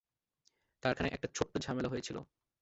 কারখানায় একটা ছোট্ট ঝামেলা হয়েছিল।